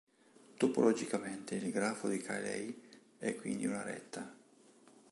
Topologicamente il grafo di Cayley è quindi una retta.